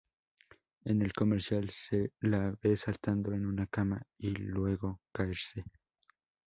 En el comercial, se la ve saltando en una cama y luego caerse.